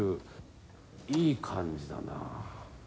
いい感じだな。